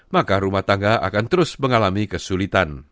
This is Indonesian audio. maka rumah tangga akan terus mengalami kesulitan